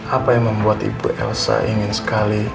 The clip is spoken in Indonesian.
apa yang membuat ibu elsa ingin sekali